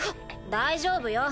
大丈夫よ。